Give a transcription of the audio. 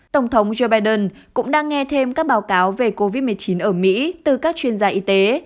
tổng thống joe biden cũng đang nghe thêm các báo cáo về covid một mươi chín ở mỹ từ các chuyên gia y tế